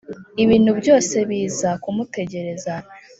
ibintu byose biza kumutegereza